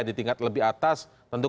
di tingkat lebih atas